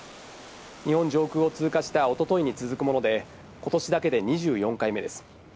日本上空を通過した一昨日に続くもので、今年だけで２４回目です。